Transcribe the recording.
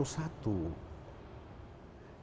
di yogyakarta sudah lima puluh satu